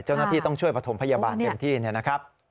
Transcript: เจ้าหน้าที่ต้องช่วยประถมพยาบาลเต็มที่เนี่ยนะครับ